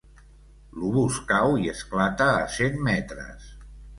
L'obús cau i esclata a cent metres.